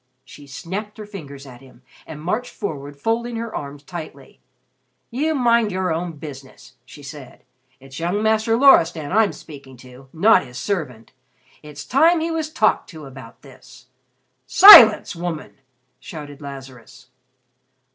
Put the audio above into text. She snapped her fingers at him, and marched forward folding her arms tightly. "You mind your own business," she said. "It's young Master Loristan I'm speaking to, not his servant. It's time he was talked to about this." "Silence, woman!" shouted Lazarus.